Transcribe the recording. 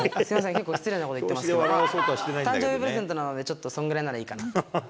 結構、失礼なこと言ってますけど、誕生日プレゼントなんでちょっとそんぐらいならいいかな。